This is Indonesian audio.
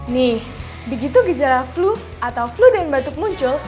nih begitu gejala flu atau flu dan batuk muncul